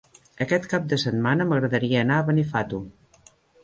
Aquest cap de setmana m'agradaria anar a Benifato.